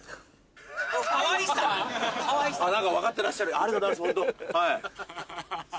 ありがとうございますホント。